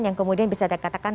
yang kemudian bisa dikatakan